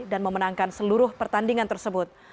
dan memenangkan seluruh pertandingan tersebut